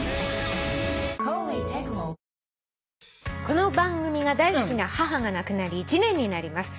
「この番組が大好きな母が亡くなり１年になります」